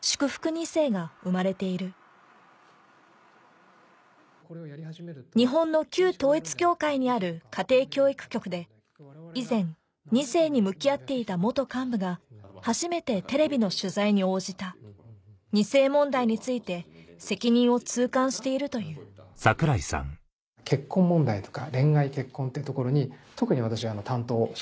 ２世が生まれている日本の統一教会にある家庭教育局で以前２世に向き合っていた幹部が初めてテレビの取材に応じた２世問題について責任を痛感しているというここの問題が。